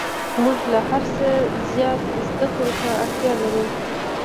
موږ له هر څه زیات زده کړو ته اړتیا لرو